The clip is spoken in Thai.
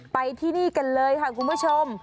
ไปที่นี่กันเลยค่ะคุณผู้ชม